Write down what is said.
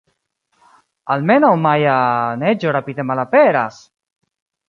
Almenaŭ maja neĝo rapide malaperas!